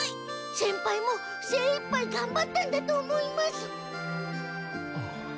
先輩も精いっぱいがんばったんだと思います。